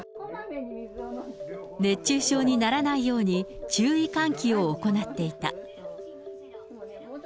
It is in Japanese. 熱中症にならないように、注意喚起を行っていた。